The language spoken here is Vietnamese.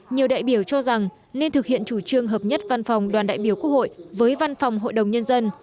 nhiều đại biểu cho rằng nên thực hiện chủ trương hợp nhất văn phòng đoàn đại biểu quốc hội với văn phòng hội đồng nhân dân